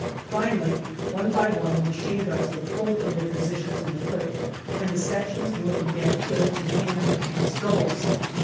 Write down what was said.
Finally, one by one the machine guns were pulled from their positions in the cliff, and the sections working them killed in hand to hand struggles.